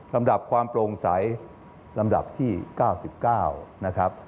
ลำดับความโปร่งใสลำดับที่๙๙นะครับ